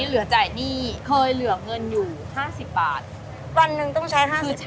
ลูกอ่อนลูกเล็ก